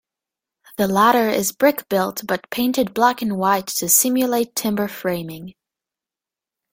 The latter is brick-built but painted black and white to simulate timber framing.